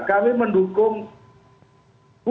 kami mendukung full mendukung penuh